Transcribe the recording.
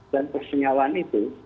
dan persenyawaan itu